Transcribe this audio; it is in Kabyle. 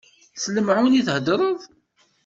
S lemεun i theddreḍ?